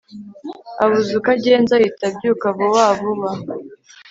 Abuze uko agenza ahita abyuka vuba vuba